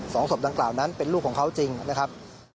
ศพดังกล่าวนั้นเป็นลูกของเขาจริงนะครับ